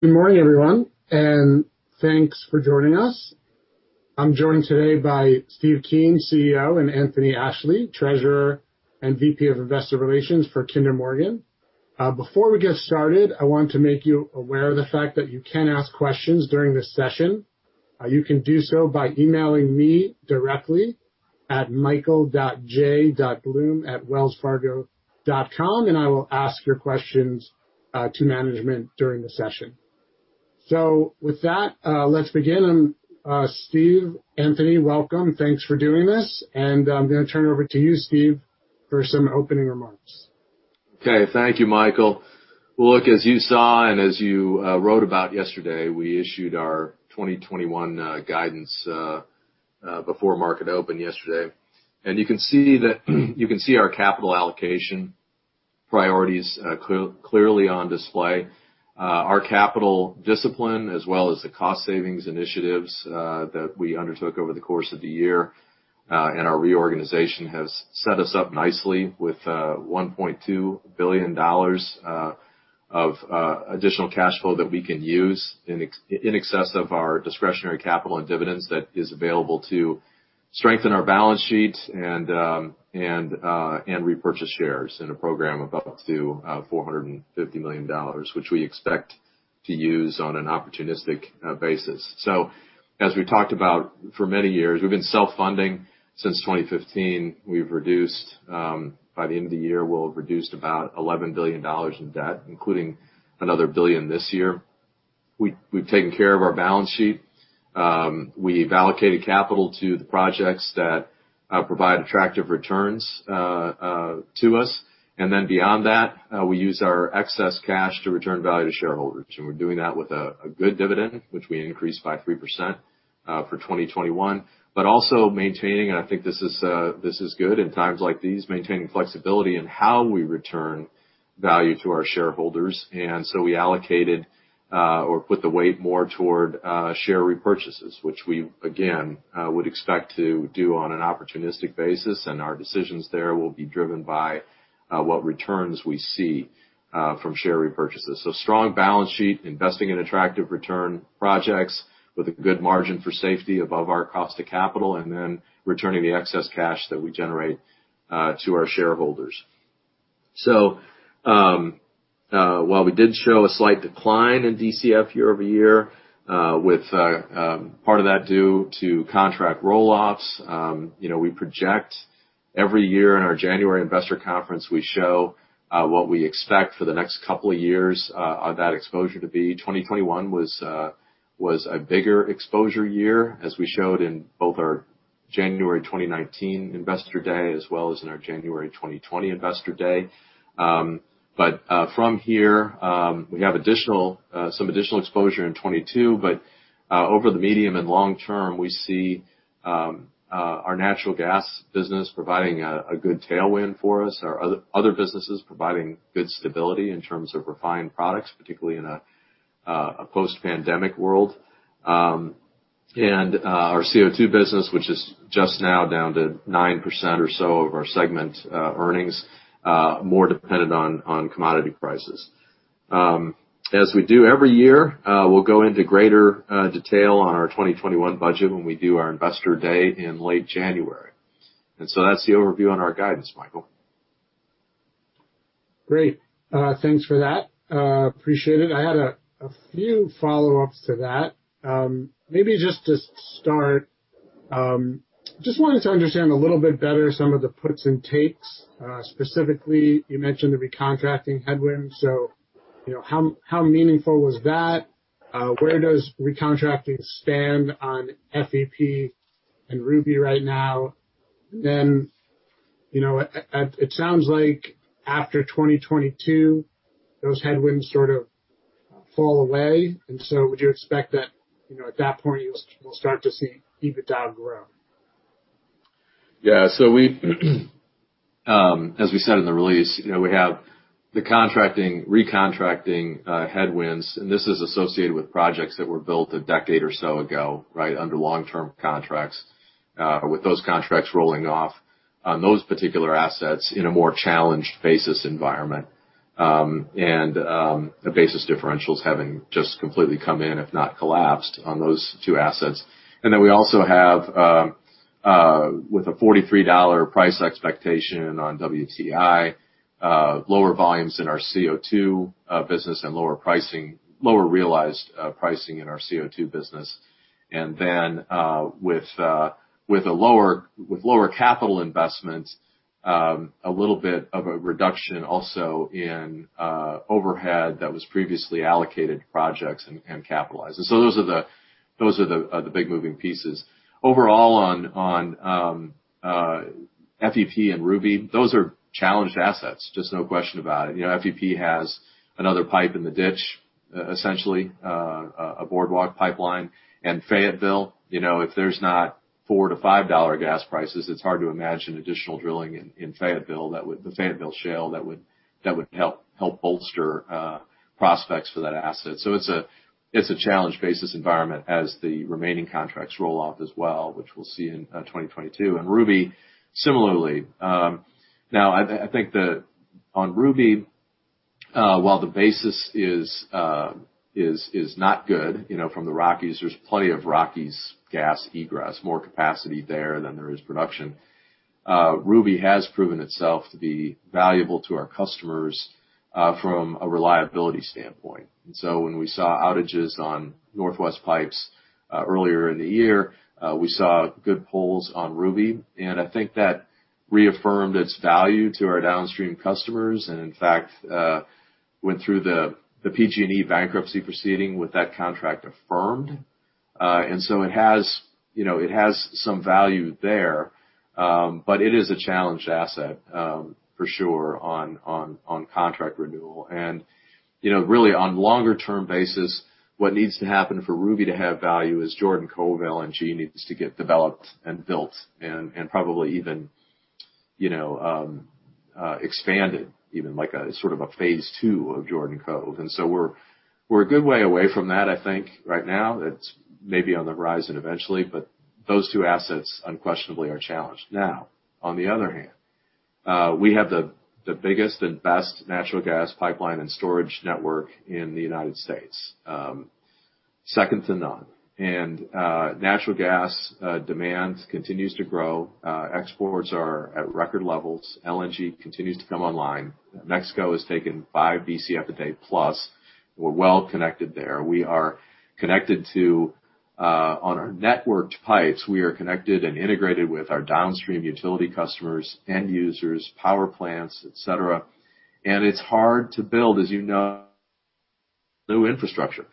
Good morning, everyone, and thanks for joining us. I'm joined today by Steven J. Kean, CEO, and Anthony Ashley, Treasurer and VP of Investor Relations for Kinder Morgan. Before we get started, I want to make you aware of the fact that you can ask questions during this session. You can do so by emailing me directly at michael.j.blum@wellsfargo.com, and I will ask your questions to management during the session. With that, let's begin. Steve, Anthony, welcome. Thanks for doing this. I'm going to turn it over to you, Steve, for some opening remarks. Okay. Thank you, Michael. Look, as you saw and as you wrote about yesterday, we issued our 2021 guidance before market open yesterday. You can see our capital allocation priorities clearly on display. Our capital discipline, as well as the cost savings initiatives that we undertook over the course of the year, and our reorganization has set us up nicely with $1.2 billion of additional cash flow that we can use in excess of our discretionary capital and dividends that is available to strengthen our balance sheet and repurchase shares in a program of up to $450 million, which we expect to use on an opportunistic basis. As we talked about for many years, we've been self-funding since 2015. By the end of the year, we'll have reduced about $11 billion in debt, including another $1 billion this year. We've taken care of our balance sheet. We've allocated capital to the projects that provide attractive returns to us. Beyond that, we use our excess cash to return value to shareholders. We're doing that with a good dividend, which we increased by 3% for 2021, but also maintaining, and I think this is good in times like these, maintaining flexibility in how we return value to our shareholders. We allocated, or put the weight more toward, share repurchases, which we, again, would expect to do on an opportunistic basis. Our decisions there will be driven by what returns we see from share repurchases. Strong balance sheet, investing in attractive return projects with a good margin for safety above our cost of capital, then returning the excess cash that we generate to our shareholders. While we did show a slight decline in DCF year-over-year with part of that due to contract roll-offs. We project every year in our January investor conference, we show what we expect for the next couple of years of that exposure to be. 2021 was a bigger exposure year as we showed in both our January 2019 investor day as well as in our January 2020 investor day. From here, we have some additional exposure in 2022. Over the medium and long term, we see our natural gas business providing a good tailwind for us, our other businesses providing good stability in terms of refined products, particularly in a post-pandemic world. Our CO2 business, which is just now down to 9% or so of our segment earnings, more dependent on commodity prices. As we do every year, we'll go into greater detail on our 2021 budget when we do our investor day in late January. That's the overview on our guidance, Michael. Great. Thanks for that. Appreciate it. I had a few follow-ups to that. Maybe just to start, just wanted to understand a little bit better some of the puts and takes. Specifically, you mentioned the recontracting headwind. How meaningful was that? Where does recontracting stand on FEP and Ruby right now? It sounds like after 2022, those headwinds sort of fall away. Would you expect that at that point, you will start to see EBITDA grow? Yeah. As we said in the release, we have the recontracting headwinds, and this is associated with projects that were built a decade or so ago under long-term contracts. With those contracts rolling off on those particular assets in a more challenged basis environment. The basis differentials having just completely come in, if not collapsed on those two assets. Then we also have with a $43 price expectation on WTI, lower volumes in our CO2 business and lower realized pricing in our CO2 business. Then with lower capital investments, a little bit of a reduction also in overhead that was previously allocated to projects and capitalized. Those are the big moving pieces. Overall, on FEP and Ruby, those are challenged assets, just no question about it. FEP has another pipe in the ditch, essentially, a Boardwalk Pipeline. Fayetteville, if there's not $4-5 gas prices, it's hard to imagine additional drilling in the Fayetteville Shale that would help bolster prospects for that asset. It's a challenged basis environment as the remaining contracts roll off as well, which we'll see in 2022. Ruby, similarly. I think on Ruby, while the basis is not good from the Rockies, there's plenty of Rockies gas egress, more capacity there than there is production. Ruby has proven itself to be valuable to our customers from a reliability standpoint. When we saw outages on Northwest Pipeline earlier in the year, we saw good polls on Ruby, and I think that reaffirmed its value to our downstream customers, and in fact, went through the PG&E bankruptcy proceeding with that contract affirmed. It has some value there, but it is a challenged asset for sure on contract renewal. Really on longer term basis, what needs to happen for Ruby to have value is Jordan Cove LNG needs to get developed and built and probably even expanded, even like a phase two of Jordan Cove. We're a good way away from that, I think right now. It's maybe on the horizon eventually, but those two assets unquestionably are challenged. Now, on the other hand, we have the biggest and best natural gas pipeline and storage network in the U.S. Second to none. Natural gas demand continues to grow. Exports are at record levels. LNG continues to come online. Mexico has taken five BCF a day plus. We're well connected there. We are connected to, on our networked pipes, we are connected and integrated with our downstream utility customers, end users, power plants, et cetera, and it's hard to build, as you know, new infrastructure.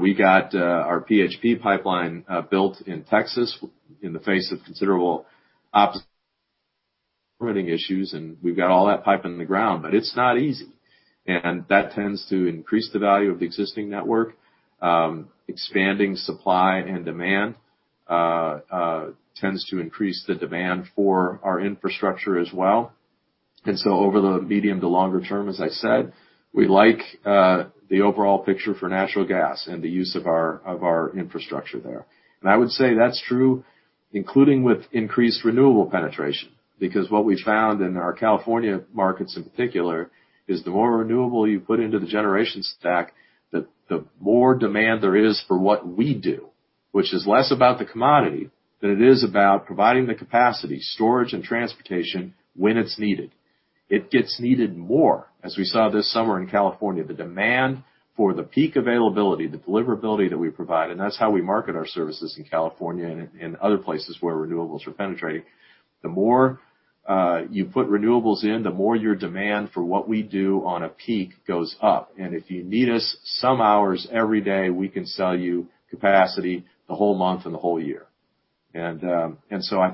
We got our PHP pipeline built in Texas in the face of considerable operating issues, and we've got all that pipe in the ground, but it's not easy, and that tends to increase the value of the existing network. Expanding supply and demand tends to increase the demand for our infrastructure as well. Over the medium to longer term, as I said, we like the overall picture for natural gas and the use of our infrastructure there. I would say that's true, including with increased renewable penetration, because what we found in our California markets in particular, is the more renewable you put into the generation stack, the more demand there is for what we do, which is less about the commodity than it is about providing the capacity, storage, and transportation when it's needed. It gets needed more. As we saw this summer in California, the demand for the peak availability, the deliverability that we provide, and that's how we market our services in California and other places where renewables are penetrating. The more you put renewables in, the more your demand for what we do on a peak goes up. If you need us some hours every day, we can sell you capacity the whole month and the whole year. I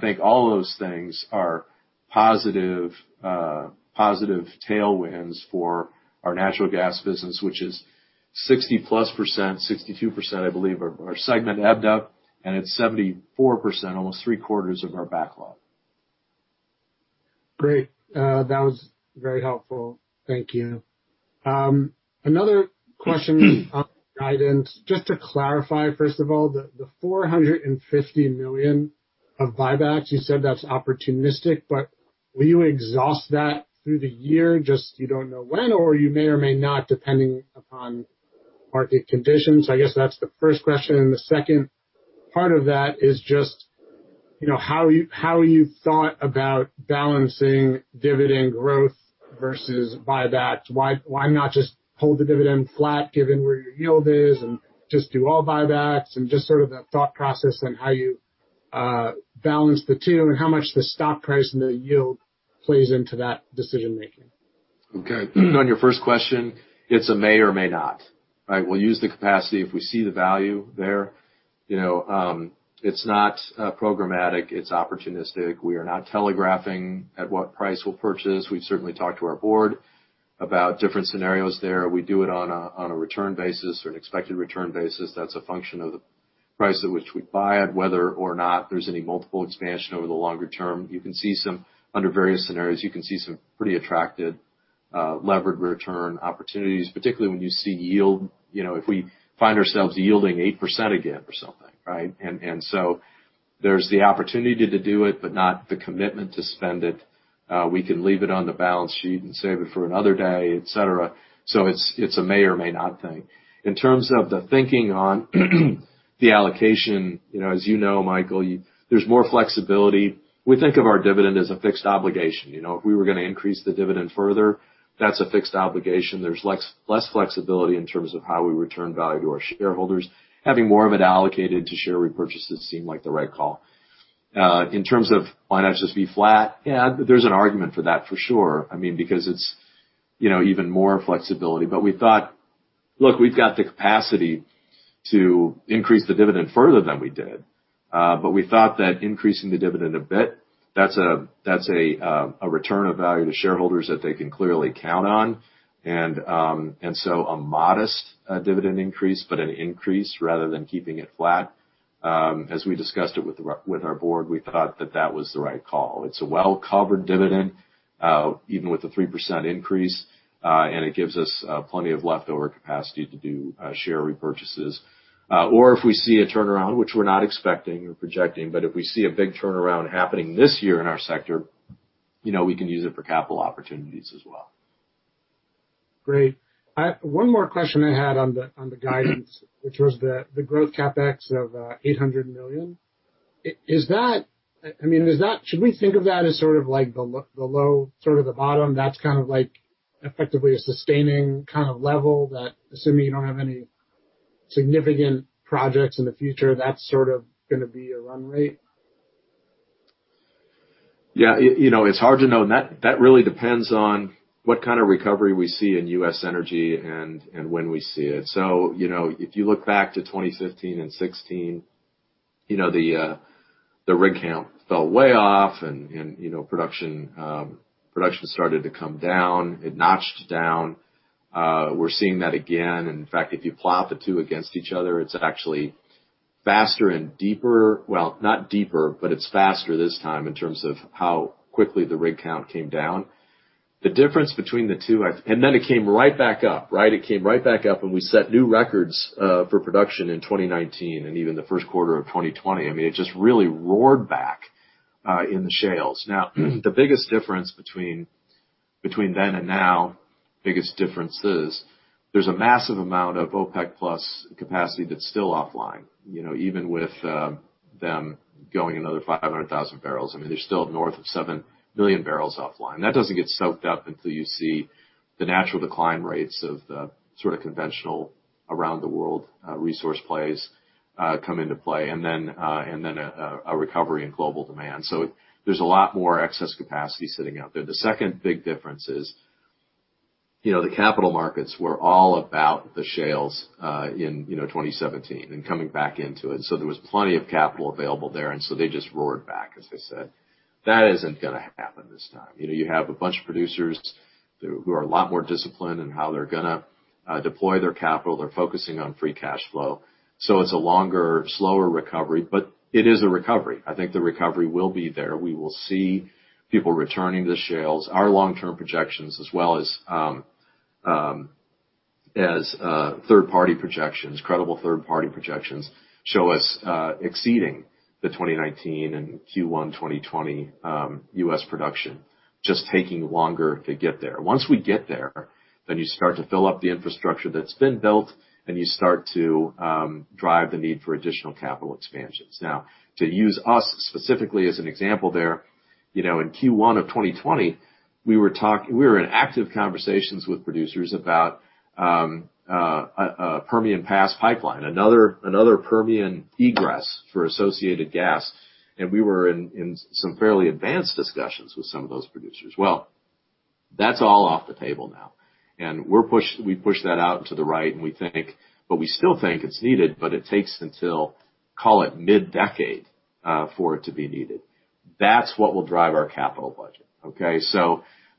think all those things are positive tailwinds for our natural gas business, which is 60%+, 62%, I believe, of our segment EBITDA, and it's 74%, almost three-quarters of our backlog. Great. That was very helpful. Thank you. Another question on guidance, just to clarify, first of all, the $450 million of buybacks, you said that's opportunistic, but will you exhaust that through the year, just you don't know when, or you may or may not, depending upon market conditions? I guess that's the first question, and the second part of that is just how you've thought about balancing dividend growth versus buybacks. Why not just hold the dividend flat given where your yield is and just do all buybacks, and just sort of the thought process on how you balance the two and how much the stock price and the yield plays into that decision-making. Okay. On your first question, it's a may or may not, right? We'll use the capacity if we see the value there. It's not programmatic, it's opportunistic. We are not telegraphing at what price we'll purchase. We've certainly talked to our board about different scenarios there. We do it on a return basis or an expected return basis. That's a function of the price at which we buy it, whether or not there's any multiple expansion over the longer term. Under various scenarios, you can see some pretty attractive levered return opportunities, particularly when you see yield if we find ourselves yielding 8% again or something, right? There's the opportunity to do it, but not the commitment to spend it. We can leave it on the balance sheet and save it for another day, et cetera. It's a may or may not thing. In terms of the thinking on the allocation, as you know, Michael, there's more flexibility. We think of our dividend as a fixed obligation. If we were going to increase the dividend further, that's a fixed obligation. There's less flexibility in terms of how we return value to our shareholders. Having more of it allocated to share repurchases seem like the right call. In terms of why not just be flat? Yeah, there's an argument for that, for sure. Because it's even more flexibility. We thought, look, we've got the capacity to increase the dividend further than we did. We thought that increasing the dividend a bit, that's a return of value to shareholders that they can clearly count on. A modest dividend increase, but an increase rather than keeping it flat. As we discussed it with our board, we thought that that was the right call. It's a well-covered dividend, even with the 3% increase, and it gives us plenty of leftover capacity to do share repurchases. If we see a turnaround, which we're not expecting or projecting, but if we see a big turnaround happening this year in our sector, we can use it for capital opportunities as well. Great. One more question I had on the guidance, which was the growth CapEx of $800 million. Should we think of that as the low, the bottom, that's effectively a sustaining level that assuming you don't have any significant projects in the future, that's going to be a run rate? Yeah. It's hard to know. That really depends on what kind of recovery we see in U.S. energy and when we see it. If you look back to 2015 and 2016, the rig count fell way off and production started to come down. It notched down. We're seeing that again. In fact, if you plot the two against each other, it's actually faster and deeper. Not deeper, but it's faster this time in terms of how quickly the rig count came down. The difference between the two-- then it came right back up, right? It came right back up and we set new records for production in 2019, and even the first quarter of 2020. It just really roared back in the shales. The biggest difference between then and now, biggest difference is there's a massive amount of OPEC+ capacity that's still offline. Even with them going another half a million barrels, they're still north of 7 million barrels offline. That doesn't get soaked up until you see the natural decline rates of the conventional around the world resource plays come into play, and then a recovery in global demand. There's a lot more excess capacity sitting out there. The second big difference is the capital markets were all about the shales in 2017 and coming back into it. There was plenty of capital available there, and so they just roared back, as I said. That isn't going to happen this time. You have a bunch of producers who are a lot more disciplined in how they're going to deploy their capital. They're focusing on free cash flow. It's a longer, slower recovery, but it is a recovery. I think the recovery will be there. We will see people returning to the shales. Our long-term projections as well as third-party projections, credible third-party projections, show us exceeding the 2019 and Q1 2020 U.S. production, just taking longer to get there. Once we get there, then you start to fill up the infrastructure that's been built and you start to drive the need for additional capital expansions. Now, to use us specifically as an example there, in Q1 of 2020, we were in active conversations with producers about a Permian Pass Pipeline, another Permian egress for associated gas, and we were in some fairly advanced discussions with some of those producers. Well, that's all off the table now. We pushed that out to the right, but we still think it's needed, but it takes until, call it mid-decade, for it to be needed. That's what will drive our capital budget, okay?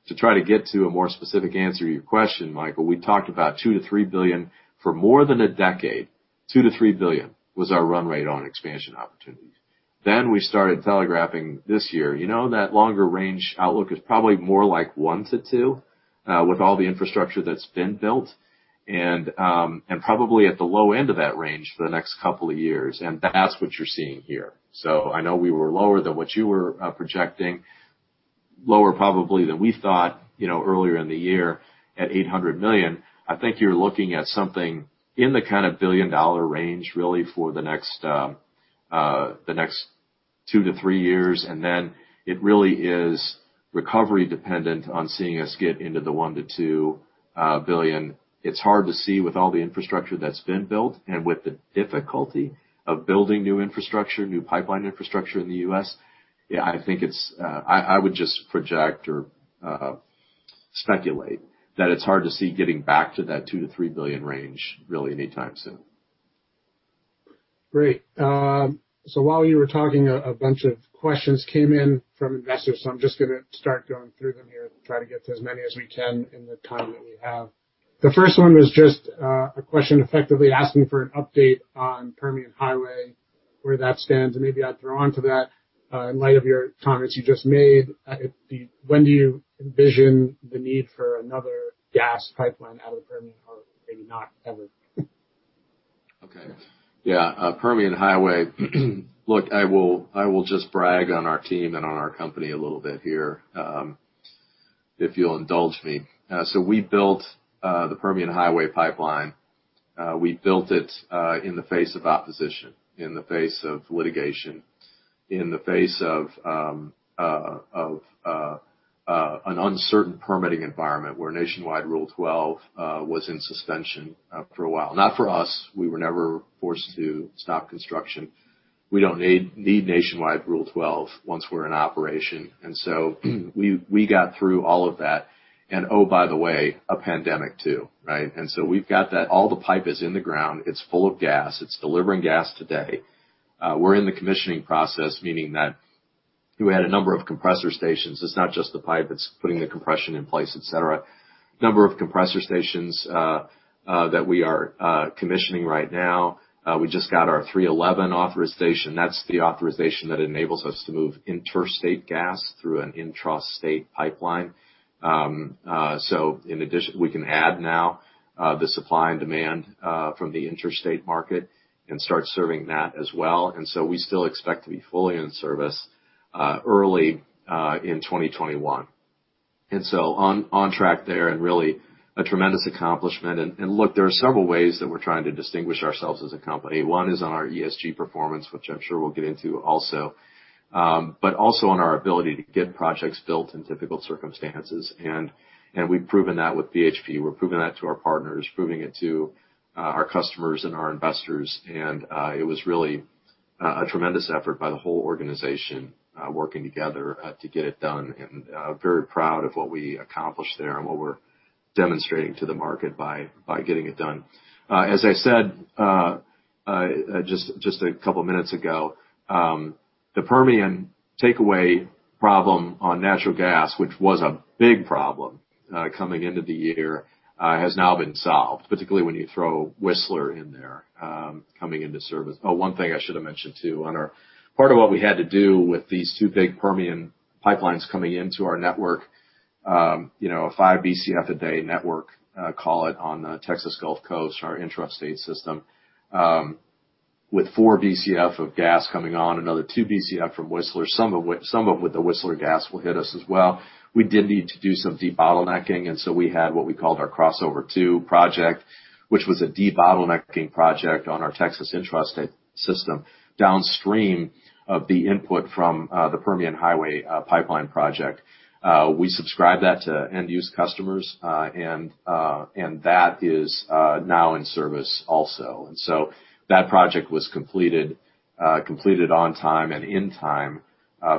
To try to get to a more specific answer to your question, Michael, we talked about $2-3 billion for more than a decade. $2-3 billion was our run rate on expansion opportunities. We started telegraphing this year. You know, that longer range outlook is probably more like $1-2 billion with all the infrastructure that's been built and probably at the low end of that range for the next couple of years, and that's what you're seeing here. I know we were lower than what you were projecting, lower probably than we thought earlier in the year at $800 million. I think you're looking at something in the kind of billion-dollar range, really, for the next 2-3 years. It really is recovery dependent on seeing us get into the $1-2 billion. It's hard to see with all the infrastructure that's been built and with the difficulty of building new infrastructure, new pipeline infrastructure in the U.S. I would just project or speculate that it's hard to see getting back to that $2-3 billion range really anytime soon. Great. While you were talking, a bunch of questions came in from investors, so I'm just going to start going through them here and try to get to as many as we can in the time that we have. The first one was just a question effectively asking for an update on Permian Highway, where that stands, and maybe I'd throw onto that, in light of your comments you just made, when do you envision the need for another gas pipeline out of the Permian, or maybe not ever? Okay. Yeah. Permian Highway. Look, I will just brag on our team and on our company a little bit here, if you'll indulge me. We built the Permian Highway Pipeline. We built it in the face of opposition, in the face of litigation, in the face of an uncertain permitting environment where Nationwide Permit 12 was in suspension for a while. Not for us. We were never forced to stop construction. We don't need Nationwide Permit 12 once we're in operation. We got through all of that, and oh, by the way, a pandemic too, right? We've got that. All the pipe is in the ground. It's full of gas. It's delivering gas today. We're in the commissioning process, meaning that we had a number of compressor stations. It's not just the pipe, it's putting the compression in place, et cetera. Number of compressor stations that we are commissioning right now. We just got our 311 authorization. That's the authorization that enables us to move interstate gas through an intrastate pipeline. In addition, we can add. Now, the supply and demand from the interstate market can start serving that as well. We still expect to be fully in service early in 2021. On track there, and really a tremendous accomplishment. Look, there are several ways that we're trying to distinguish ourselves as a company. One is on our ESG performance, which I'm sure we'll get into also. Also on our ability to get projects built in typical circumstances. We've proven that with PHP. We're proving that to our partners, proving it to our customers and our investors. It was really a tremendous effort by the whole organization, working together to get it done. Very proud of what we accomplished there and what we're demonstrating to the market by getting it done. As I said, just a couple of minutes ago, the Permian takeaway problem on natural gas, which was a big problem, coming into the year, has now been solved, particularly when you throw Whistler in there, coming into service. One thing I should have mentioned too, part of what we had to do with these two big Permian pipelines coming into our network, a five BCF a day network, call it, on the Texas Gulf Coast or our intrastate system, with four BCF of gas coming on, another two BCF from Whistler. Some of the Whistler gas will hit us as well. We did need to do some debottlenecking, and so we had what we called our Crossover II project, which was a debottlenecking project on our Texas intrastate system downstream of the input from the Permian Highway Pipeline project. We subscribe that to end-use customers, and that is now in service also. That project was completed on time and in time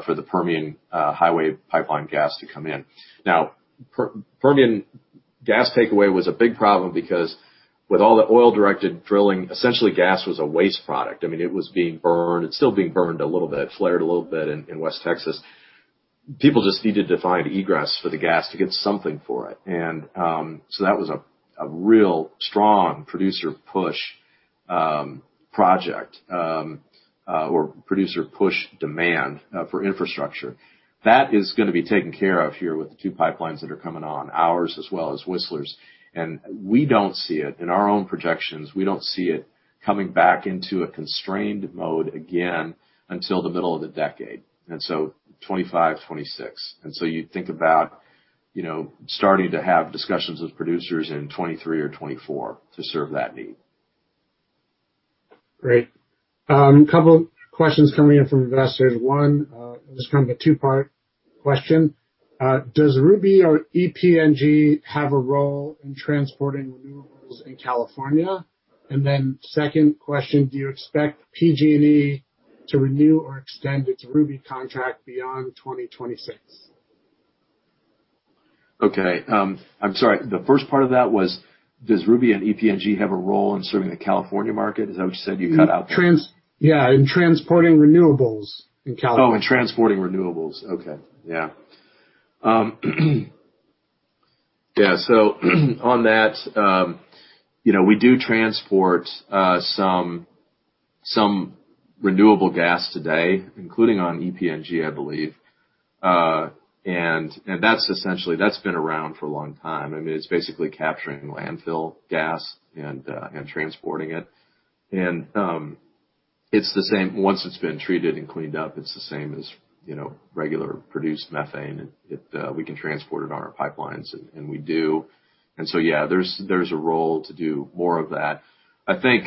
for the Permian Highway Pipeline gas to come in. Now, Permian gas takeaway was a big problem because with all the oil-directed drilling, essentially gas was a waste product. I mean, it was being burned. It's still being burned a little bit, flared a little bit in West Texas. People just needed to find egress for the gas to get something for it. That was a real strong producer push project, or producer push demand for infrastructure. That is gonna be taken care of here with the two pipelines that are coming on, ours as well as Whistler's. We don't see it in our own projections. We don't see it coming back into a constrained mode again until the middle of the decade. 2025, 2026. You'd think about starting to have discussions with producers in 2023 or 2024 to serve that need. Great. Couple questions coming in from investors. One, this is kind of a two-part question. Does Ruby or EPNG have a role in transporting renewables in California? Second question, do you expect PG&E to renew or extend its Ruby contract beyond 2026? Okay. I'm sorry. The first part of that was, does Ruby and EPNG have a role in serving the California market? Is that what you said? You cut out there. Yeah. In transporting renewables in California. In transporting renewables. Okay. Yeah. Yeah, on that, we do transport some renewable natural gas today, including on EPNG, I believe. That's essentially, that's been around for a long time. I mean, it's basically capturing landfill gas and transporting it. It's the same once it's been treated and cleaned up. It's the same as regular produced methane. We can transport it on our pipelines, and we do. Yeah, there's a role to do more of that. I think,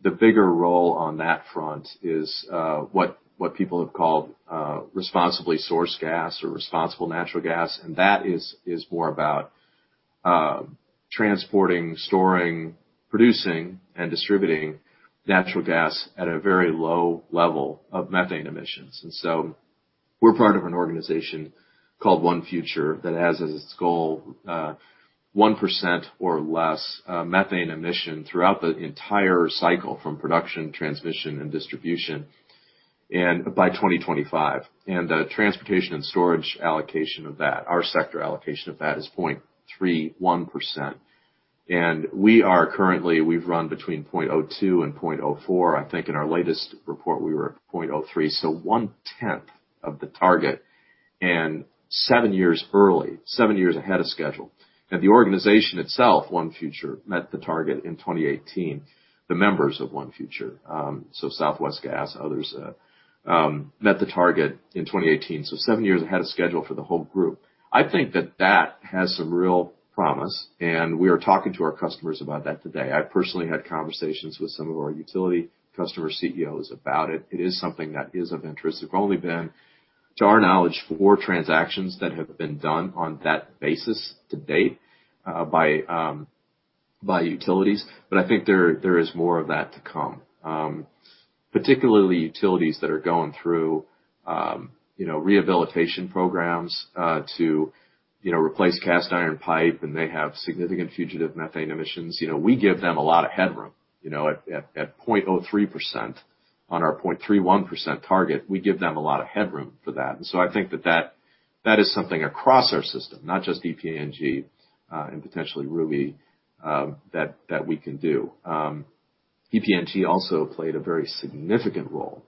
the bigger role on that front is what people have called Responsibly sourced gas or Responsible natural gas. That is more about transporting, storing, producing, and distributing natural gas at a very low level of methane emissions. We're part of an organization called ONE Future that has as its goal, 1% or less methane emission throughout the entire cycle from production, transmission, and distribution, by 2025. The transportation and storage allocation of that, our sector allocation of that, is 0.31%. We are currently, we've run between 0.02% and 0.04%. I think in our latest report, we were at 0.03%, so one-tenth of the target and seven years early, seven years ahead of schedule. The organization itself, ONE Future, met the target in 2018. The members of ONE Future, Southwest Gas, others met the target in 2018, so seven years ahead of schedule for the whole group. I think that that has some real promise, and we are talking to our customers about that today. I personally had conversations with some of our utility customer CEOs about it. It is something that is of interest. There's only been, to our knowledge, four transactions that have been done on that basis to date by utilities. I think there is more of that to come. Particularly utilities that are going through rehabilitation programs to replace cast iron pipe, and they have significant fugitive methane emissions. We give them a lot of headroom. At 0.03% on our 0.31% target, we give them a lot of headroom for that. I think that that is something across our system, not just EPNG, and potentially Ruby, that we can do. EPNG also played a very significant role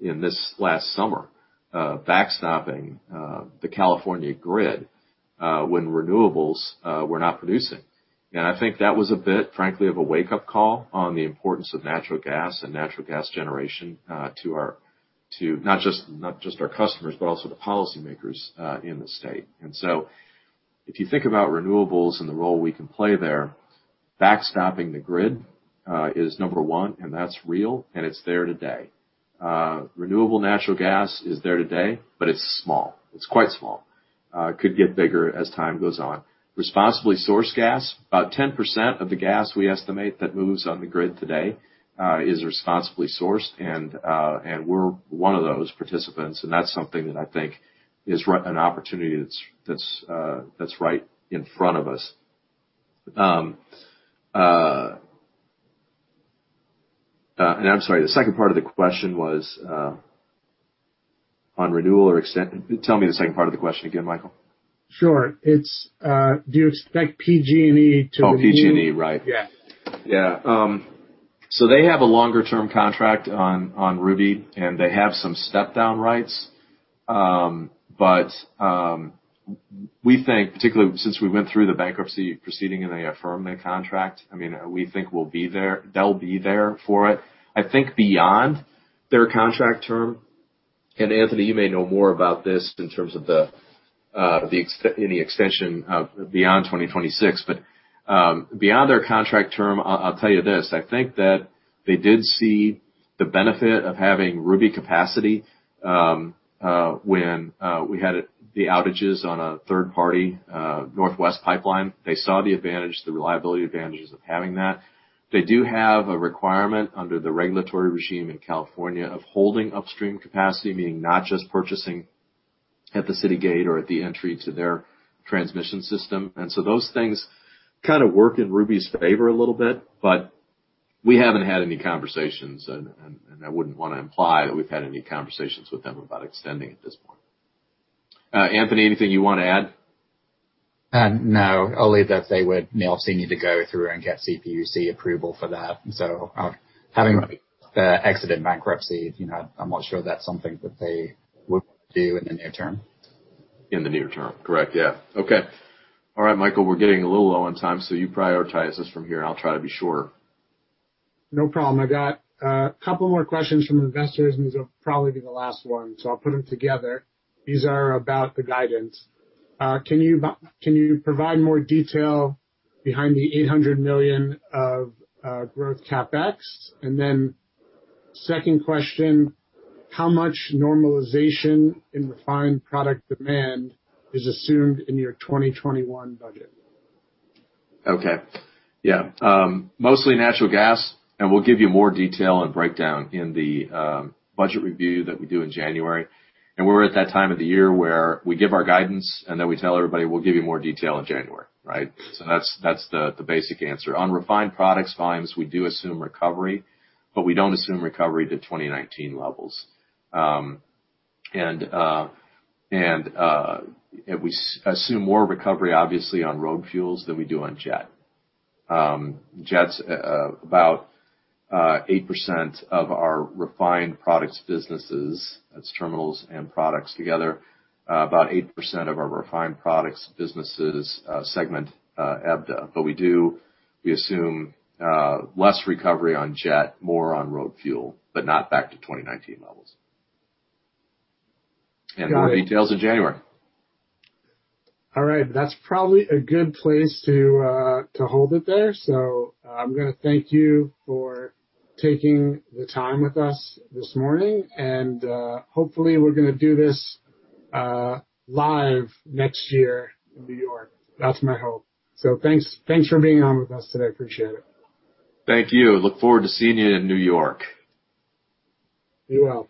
in this last summer, backstopping the California grid when renewables were not producing. I think that was a bit, frankly, of a wake-up call on the importance of natural gas and natural gas generation to not just our customers, but also the policymakers in the state. If you think about renewables and the role we can play there, backstopping the grid is number one, and that's real, and it's there today. renewable natural gas is there today, but it's small. It's quite small. Could get bigger as time goes on. responsibly sourced gas, about 10% of the gas we estimate that moves on the grid today is responsibly sourced and we're one of those participants, and that's something that I think is an opportunity that's right in front of us. I'm sorry, the second part of the question was on renewal or extension. Tell me the second part of the question again, Michael. Sure. Do you expect PG&E to- Oh, PG&E, right. Yeah. Yeah. They have a longer-term contract on Ruby, and they have some step-down rights. We think, particularly since we went through the bankruptcy proceeding and they affirmed that contract, we think they'll be there for it. I think beyond their contract term, Anthony, you may know more about this in terms of any extension beyond 2026. Beyond their contract term, I'll tell you this. I think that they did see the benefit of having Ruby capacity when we had the outages on a third-party Northwest Pipeline. They saw the reliability advantages of having that. They do have a requirement under the regulatory regime in California of holding upstream capacity, meaning not just purchasing at the city gate or at the entry to their transmission system. Those things kind of work in Ruby's favor a little bit, but we haven't had any conversations, and I wouldn't want to imply that we've had any conversations with them about extending at this point. Anthony, anything you want to add? No, only that they would obviously need to go through and get CPUC approval for that. Having exited bankruptcy, I'm not sure that's something that they would do in the near term. In the near term. Correct. Yeah. Okay. All right, Michael, we're getting a little low on time, so you prioritize us from here, and I'll try to be shorter. No problem. I got a couple more questions from investors. These will probably be the last one, so I'll put them together. These are about the guidance. Can you provide more detail behind the $800 million of growth CapEx? Second question, how much normalization in refined product demand is assumed in your 2021 budget? Okay. Yeah. Mostly natural gas. We'll give you more detail and breakdown in the budget review that we do in January. We're at that time of the year where we give our guidance, and then we tell everybody, we'll give you more detail in January, right? That's the basic answer. On refined products volumes, we do assume recovery, but we don't assume recovery to 2019 levels. We assume more recovery, obviously, on road fuels than we do on jet. Jet's about 8% of our refined products businesses. That's terminals and products together. About 8% of our refined products businesses segment EBITDA. We assume less recovery on jet, more on road fuel, but not back to 2019 levels. More details in January. All right. That's probably a good place to hold it there. I'm going to thank you for taking the time with us this morning, and hopefully we're going to do this live next year in New York. That's my hope. Thanks for being on with us today. I appreciate it. Thank you. Look forward to seeing you in New York. Be well.